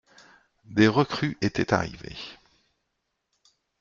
Des recrues étaient arrivées.